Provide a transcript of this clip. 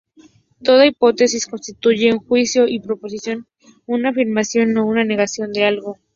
Toda hipótesis constituye un juicio o proposición, una afirmación o una negación de algo.